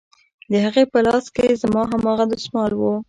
د هغې په لاس کښې زما هماغه دسمال و.